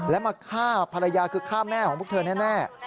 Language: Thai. และมาฆ่าภรรยาคือฆ่าแม่ของพวกเธอแน่